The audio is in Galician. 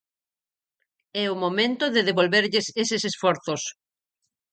É o momento de devolverlles eses esforzos.